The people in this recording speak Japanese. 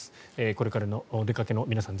これからお出かけの皆さん